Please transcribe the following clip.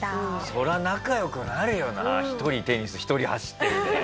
そりゃ仲良くなるよな１人テニス１人走って。